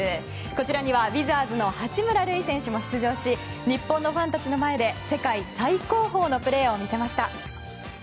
こちらにはウィザーズの八村塁選手も出場し日本のファンたちの前で世界最高峰のプレーを見せました。